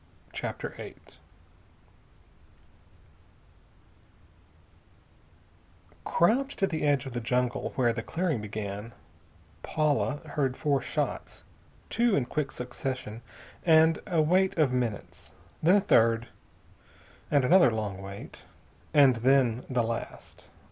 CHAPTER VIII Crouched at the edge of the jungle, where the clearing began, Paula heard four shots. Two in quick succession, and a wait of minutes. Then a third, and another long wait, and then the last.